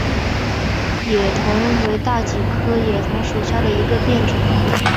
野桐为大戟科野桐属下的一个变种。